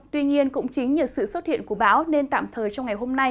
tuy nhiên cũng chính nhờ sự xuất hiện của bão nên tạm thời trong ngày hôm nay